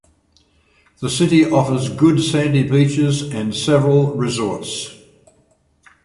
The city offers good sandy beaches and several resorts.